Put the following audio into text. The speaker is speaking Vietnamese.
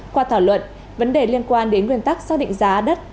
qua thảo luận vấn đề liên quan đến nguyên tắc xác định giá đất